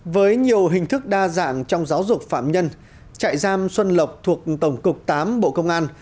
với nhiều hình thức đa dạng trong giáo dục phạm nhân trại giam xuân lộc thuộc tổng cục tám bộ công an